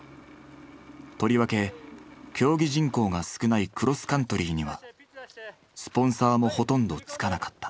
とりわけ競技人口が少ないクロスカントリーにはスポンサーもほとんどつかなかった。